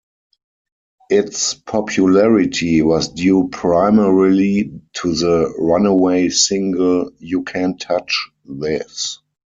Its popularity was due primarily to the runaway single, "U Can't Touch This".